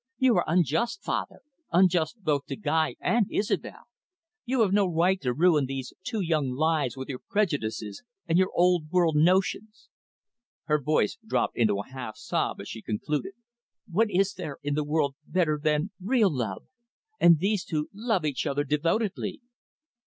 "You are unjust, father, unjust both to Guy and Isobel. You have no right to ruin these two young lives with your prejudices and your old world notions." Her voice dropped into a half sob as she concluded. "What is there in the world better than real love? And these two love each other devotedly."